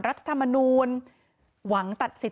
รัฐธรรมนูลหวังตัดสิทธิ